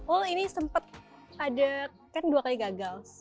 oh ini sempat ada kan dua kali gagal